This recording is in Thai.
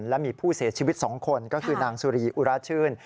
และมีผู้เสียชีวิต๒คนก็คือนางสุรีอุราชื่น